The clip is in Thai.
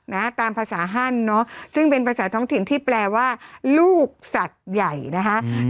นะตามภาษาฮั่นเนอะซึ่งเป็นภาษาท้องถิ่นที่แปลว่าลูกสัตว์ใหญ่นะคะอืม